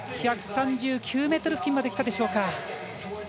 １３９ｍ付近まで来たでしょうか。